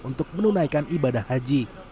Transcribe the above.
untuk menunaikan ibadah haji